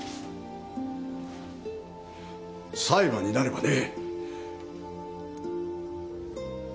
裁判になればね。